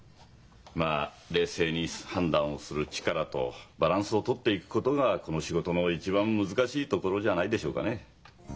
まあ冷静に判断をする力とバランスをとっていくことがこの仕事の一番難しいところじゃないでしょうかね。